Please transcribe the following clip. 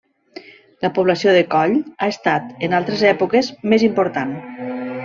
La població de Coll ha estat, en altres èpoques, més important.